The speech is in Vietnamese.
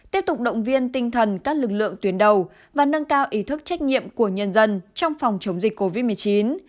tiếp tục động viên tinh thần các lực lượng tuyến đầu và nâng cao ý thức trách nhiệm của nhân dân trong phòng chống dịch covid một mươi chín